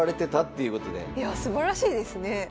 いやあすばらしいですね。